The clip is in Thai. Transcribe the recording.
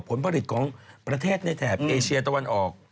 ผลผลิตของประเทศในแถบเอเชียตะวันออก